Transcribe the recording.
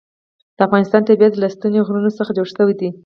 د افغانستان طبیعت له ستوني غرونه څخه جوړ شوی دی.